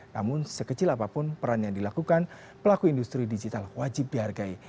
namun sekecil apapun peran yang dilakukan pelaku industri digital wajib dihargai